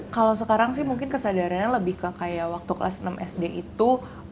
kalau sekarang sih mungkin kesadarannya lebih ke kayak waktu kelas enam sd itu